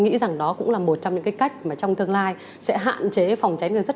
nghĩ rằng đó cũng là một trong những cái cách mà trong tương lai sẽ hạn chế phòng tránh ngân sách